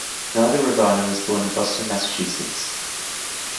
Narda Ravanna was born in Boston, Massachusetts.